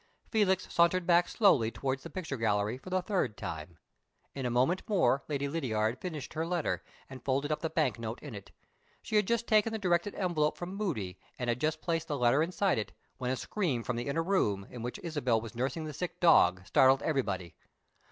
Felix sauntered back slowly towards the picture gallery, for the third time. In a moment more Lady Lydiard finished her letter, and folded up the bank note in it. She had just taken the directed envelope from Moody, and had just placed the letter inside it, when a scream from the inner room, in which Isabel was nursing the sick dog, startled everybody.